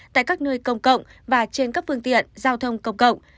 tại các nơi công cộng và trên các phương tiện giao thông công cộng